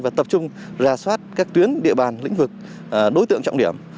và tập trung ra soát các tuyến địa bàn lĩnh vực đối tượng trọng điểm